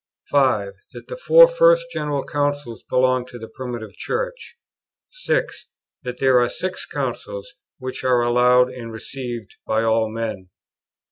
5. That the Four first General Councils belong to the Primitive Church. 6. That there are Six Councils which are allowed and received by all men.